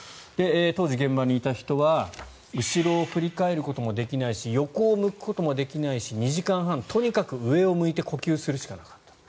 当時、現場にいた人は後ろを振り返ることもできないし横を向くこともできないし２時間半、とにかく上を向いて呼吸するしかなかった。